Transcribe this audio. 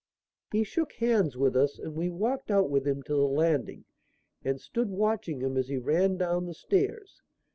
He shook hands with us and we walked out with him to the landing and stood watching him as he ran down the stairs.